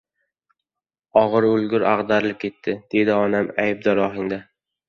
— O‘g‘ir o‘lgur ag‘darilib ketdi, — dedi onam aybdor ohangda.